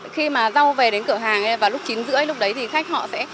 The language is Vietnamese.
khi mà rau về đến cửa hàng và lúc chín rưỡi lúc đấy thì khách họ sẽ